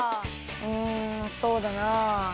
うんそうだな。